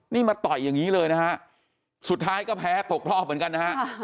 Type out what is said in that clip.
นี่มาต่อยอย่างนี้เลยนะฮะสุดท้ายก็แพ้ตกรอบเหมือนกันนะฮะ